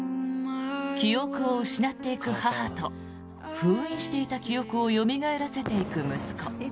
記憶を失っていく母と封印していた記憶をよみがえらせていく息子。